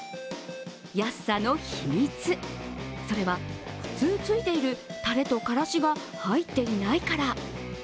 安さの秘密、それは普通ついているたれとからしが入っていないから。